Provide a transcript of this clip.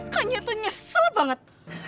kayaknya tuh nyesel banget